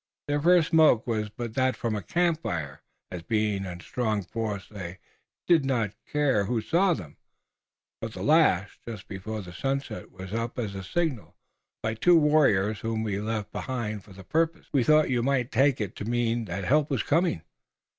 Their first smoke was but that from a camp fire, as being in strong force they did not care who saw them, but the last, just before the sunset, was sent up as a signal by two warriors whom we left behind for the purpose. We thought you might take it to mean that help was coming."